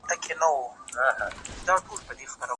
راسه جهاني چي دا بوډۍ شېبې دي مستي کو